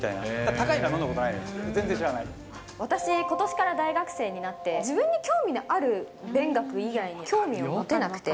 私、ことしから大学生になって、自分に興味のある勉学以外に、興味を持てなくて。